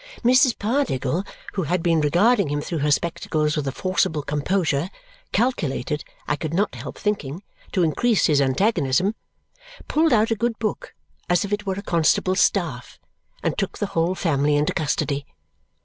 Mrs. Pardiggle, who had been regarding him through her spectacles with a forcible composure, calculated, I could not help thinking, to increase his antagonism, pulled out a good book as if it were a constable's staff and took the whole family into custody.